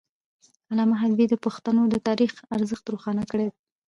علامه حبيبي د پښتنو د تاریخ ارزښت روښانه کړی دی.